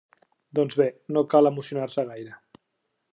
Doncs bé, no cal emocionar-se gaire.